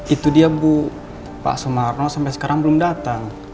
itu dia bu pak sumarno sampai sekarang belum datang